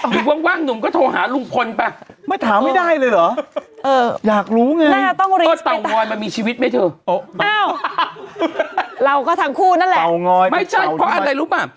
เราก็ทั้งคู่นั่นแหละรู้หรือเปล่าไม่ใช่เพราะอะไรรู้ไม่